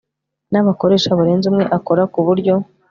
n abakoresha barenze umwe akora ku buryo